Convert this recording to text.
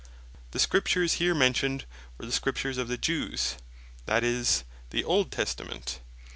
The Scriptures here mentioned were the Scriptures of the Jews, that is, the Old Testament.